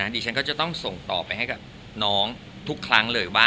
ดิฉันก็จะต้องส่งต่อไปให้กับน้องทุกครั้งเลยว่า